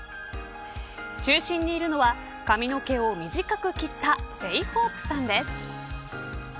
中心にいるのは髪の毛を短く切ったＪ−ＨＯＰＥさんです。